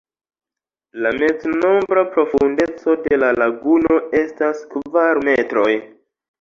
La meznombra profundeco de la laguno estas kvar metroj.